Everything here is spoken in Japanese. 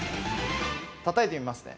たたいてみますね。